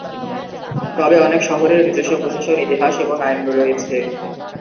তবে অনেক শহরের নিজস্ব প্রশাসন, ইতিহাস এবং আইন রয়েছে।